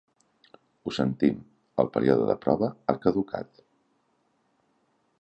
Ho sentim, el període de prova ha caducat.